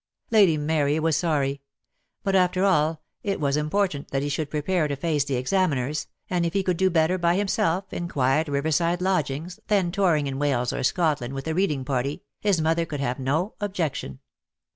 Lady Mary was sorry; but after all it was im portant that he should prepare to face the examiners, and if he could do better by himself in quiet river side lodgings than touring in Wales or Scotland with a reading party, his mother could have no objection.